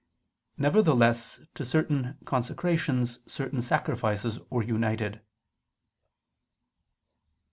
Nevertheless to certain consecrations certain sacrifices were united.